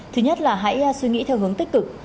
thứ nhất là hãy suy nghĩ theo hướng tích cực